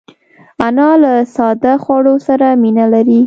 انا له ساده خوړو سره مینه لري